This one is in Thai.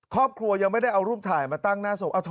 ครอบครัวยังไม่ได้เอารูปถ่ายมาตั้งหน้าศพ